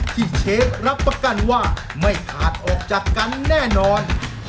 เชฟรับประกันว่าไม่ขาดออกจากกันแน่นอน